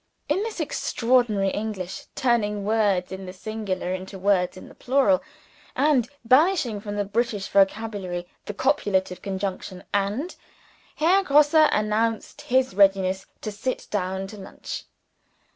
In this extraordinary English turning words in the singular into words in the plural, and banishing from the British vocabulary the copulative conjunction "and" Herr Grosse announced his readiness to sit down to lunch.